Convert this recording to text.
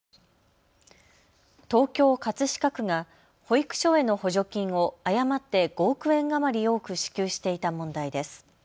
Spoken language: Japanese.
東京葛飾区が保育所への補助金を誤って５億円余り多く支給していた問題です。